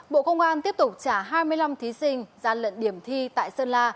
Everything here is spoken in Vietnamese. bộ công an tiếp tục trả hai mươi năm thí sinh gian lận điểm thi tại sơn la